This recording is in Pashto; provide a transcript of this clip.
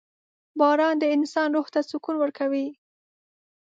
• باران د انسان روح ته سکون ورکوي.